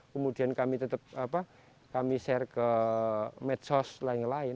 kemudian kami share ke medsos lain lain